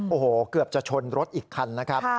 โอ้โหเกือบจะชนรถอีกคันนะครับ